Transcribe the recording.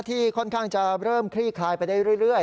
ที่ค่อนข้างจะเริ่มคลี่คลายไปได้เรื่อย